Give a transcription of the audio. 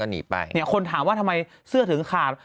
หนีไปเนี่ยคนถามว่าทำไมเสื้อถึงขาด